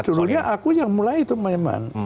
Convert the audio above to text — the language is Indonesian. karena dulunya aku yang mulai itu memang